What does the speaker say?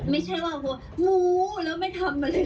ไม่ใช่ว่าหมูแล้วไม่ทำอะไรเลย